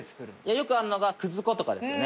よくあるのがくず粉とかですよね